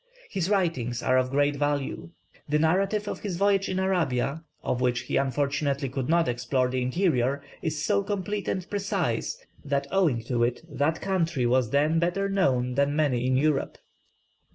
His writings are of great value; the narrative of his voyage in Arabia of which he unfortunately could not explore the interior is so complete and precise, that owing to it that country was then better known than many in Europe.